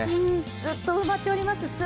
ずっと埋まっております。